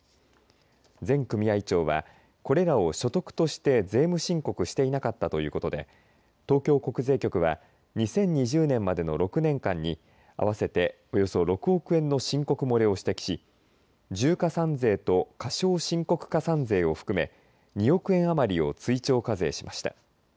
前組合長はこれらを所得として税務申告していなかったということで東京国税局は２０２０年までの６年間に合わせておよそ６億円の申告漏れを指摘し重加算税と過少申告加算税を含め２億円余りを追徴課税しました。